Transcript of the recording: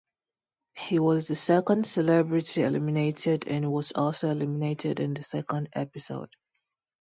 He was the second celebrity eliminated and was also eliminated in the second episode.